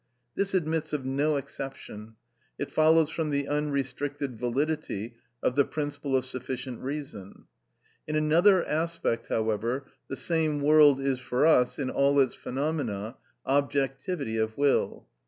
This admits of no exception: it follows from the unrestricted validity of the principle of sufficient reason. In another aspect, however, the same world is for us, in all its phenomena, objectivity of will.